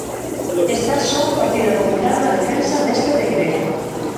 Está só o Partido Popular na defensa deste decreto.